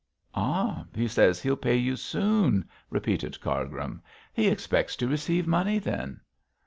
'Ah! he says he'll pay you soon,' repeated Cargrim; 'he expects to receive money, then?'